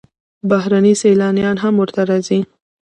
بهرني سیلانیان هم ورته راځي.